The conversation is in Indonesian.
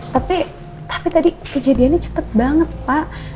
tapi tapi tadi kejadiannya cepet banget pak